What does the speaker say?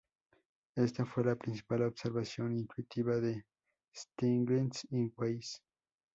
Esta fue la principal observación intuitiva de Stiglitz y Weiss.